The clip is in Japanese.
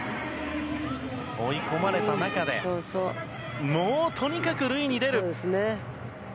追い込まれた中で、もうとにかく塁に出る。